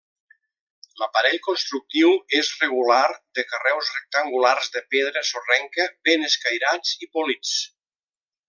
L'aparell constructiu és regular de carreus rectangulars de pedra sorrenca ben escairats i polits.